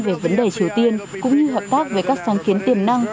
về vấn đề triều tiên cũng như hợp tác về các sáng kiến tiềm năng